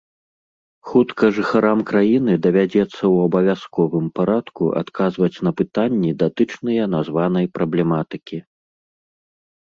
Хутка жыхарам краіны давядзецца ў абавязковым парадку адказваць на пытанні, датычныя названай праблематыкі.